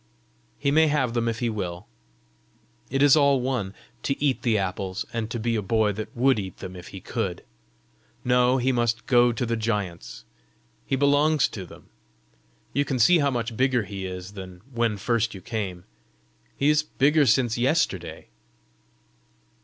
"He may have them if he will: it is all one to eat the apples, and to be a boy that would eat them if he could. No; he must go to the giants! He belongs to them. You can see how much bigger he is than when first you came! He is bigger since yesterday."